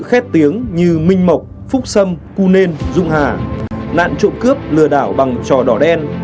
khét tiếng như minh mộc phúc sâm cunên dung hà nạn trộm cướp lừa đảo bằng trò đỏ đen